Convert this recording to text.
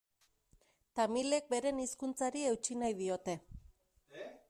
Tamilek beren hizkuntzari eutsi nahi diote.